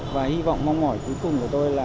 và hy vọng mong mỏi cuối cùng của tôi là